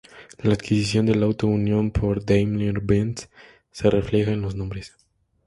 La adquisición de Auto Union por Daimler-Benz se refleja en los nombres.